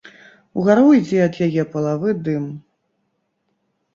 Угару ідзе ад яе палавы дым.